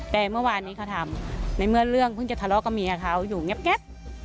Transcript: แต่เมื่อวานนี้เขาทำในเมื่อเรื่องเพิ่งจะทะเลาะกับเมียเขาอยู่เงียบ